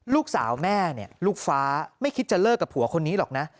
ลูกสาวแม่เนี่ยลูกฟ้าไม่คิดจะเลิกกับผัวคนนี้หรอกนะ